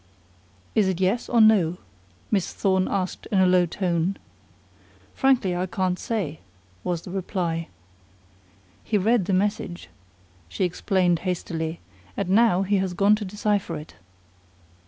"Is it yes, or no?" Miss Thorne asked in a low tone. "Frankly, I can't say," was the reply. "He read the message," she explained hastily, "and now he has gone to decipher it."